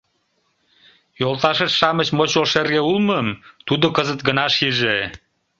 Йолташышт-шамыч мочол шерге улмым тудо кызыт гына шиже.